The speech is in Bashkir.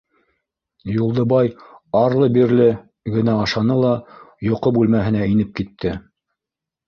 Юлдыбай арлы-бирле, генә ашаны ла йоҡо бүлмәһенә инеп китте.